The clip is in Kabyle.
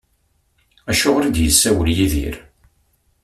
Acuɣer i d-isawel Yidir?